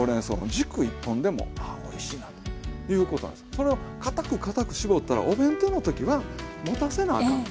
それはかたくかたく絞ったらお弁当の時はもたせなあかんと。